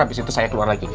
abis itu saya keluar lagi